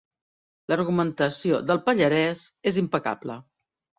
L'argumentació del pallarès és impecable.